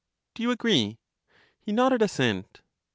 Do you agree? He nodded assent.